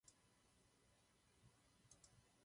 Zároveň je co zlepšovat na koordinaci budoucích investic.